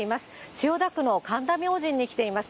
千代田区の神田明神に来ています。